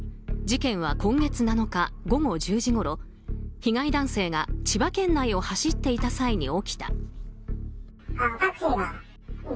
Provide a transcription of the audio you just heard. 事件は今月７日午後１０時ごろ被害男性が千葉県内を走っていた際に起きた。